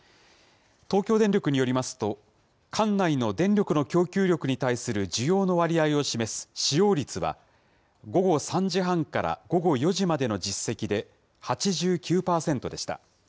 東京電力によりますと、管内の電力の供給力に対する需要の割合を示す使用率は、午後３時半から午後４時までの実績で、８９％でした。